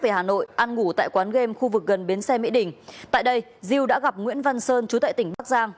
về hà nội ăn ngủ tại quán game khu vực gần bến xe mỹ đình tại đây diêu đã gặp nguyễn văn sơn chú tại tỉnh bắc giang